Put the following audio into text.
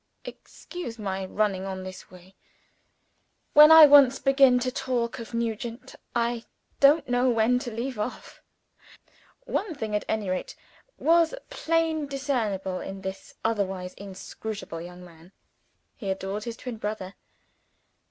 Excuse my running on in this way. When I once begin to talk of Nugent, I don't know when to leave off." One thing, at any rate, was plainly discernible in this otherwise inscrutable young man. He adored his twin brother.